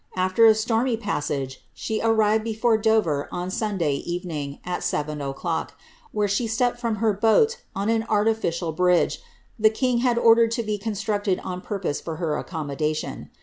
Afler a stormy passage, she arrived before Dover on Sunday evening, at seven o'clock, where she stepped from her boat on ^ an artificial bridge^' the king had ordered to be constructed on purpose for her accommodation.